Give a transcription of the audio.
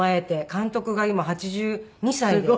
監督が今８２歳で。